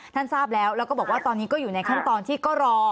ทราบแล้วแล้วก็บอกว่าตอนนี้ก็อยู่ในขั้นตอนที่ก็รอ